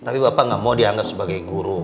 tapi bapak nggak mau dianggap sebagai guru